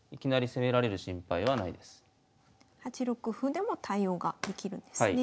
８六歩でも対応ができるんですね。